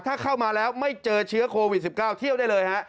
ถ้าเข้ามาแล้วไม่เจอเชื้อโควิด๑๙เที่ยวได้เลยฮะ